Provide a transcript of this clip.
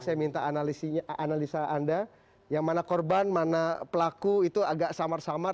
saya minta analisa anda yang mana korban mana pelaku itu agak samar samar